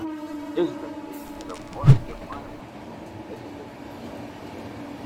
His reputation as a volunteer fireman was legendary.